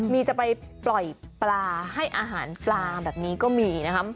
มีจะไปปล่อยปลาให้อาหารปลาแบบนี้ก็มีนะครับ